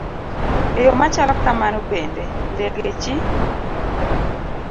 E yo machalo kamano bende, ndege chi